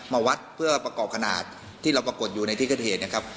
มาวัดเพื่อประกอบขนาดที่เราปรากฏอยู่ในที่เกิดเหตุนะครับ